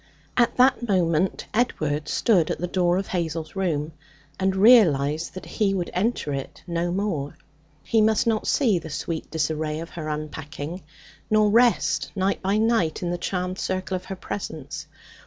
At that moment Edward stood at the door of Hazel's room, and realized that he would enter it no more. He must not see the sweet disarray of her unpacking, nor rest night by night in the charmed circle of her presence.